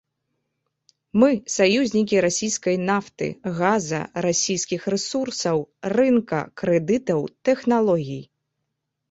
Мы саюзнікі расійскай нафты, газа, расійскіх рэсурсаў, рынка, крэдытаў, тэхналогій.